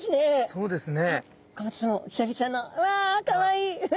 そうですね。